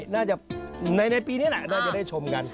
ในปีนี้น่ะน่าจะได้ชมกัน